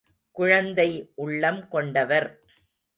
குழந்தை உள்ளம் கொண்டவர்.